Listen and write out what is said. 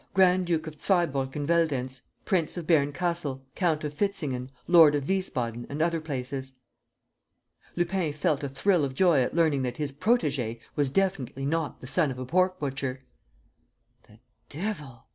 Grand Duke of Zweibrucken Veldenz, Prince of Berncastel, Count of Fistingen, Lord of Wiesbaden and other places." Lupin felt a thrill of joy at learning that his protégé was definitely not the son of a pork butcher! "The devil!"